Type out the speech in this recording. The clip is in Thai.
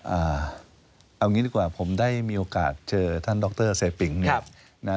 เอางี้ดีกว่าผมได้มีโอกาสเจอท่านดรเซปิงเนี่ยนะฮะ